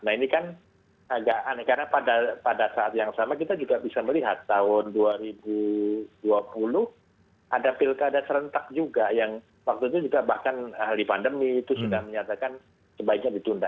nah ini kan agak aneh karena pada saat yang sama kita juga bisa melihat tahun dua ribu dua puluh ada pilkada serentak juga yang waktu itu juga bahkan ahli pandemi itu sudah menyatakan sebaiknya ditunda